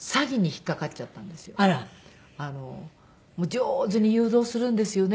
上手に誘導するんですよね。